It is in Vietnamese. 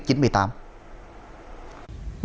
nghị quyết chín mươi tám có nhiều nội dung